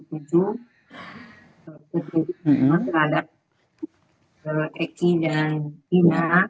itu terhadap eki dan ina